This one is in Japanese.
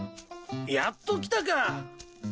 やっと来たか。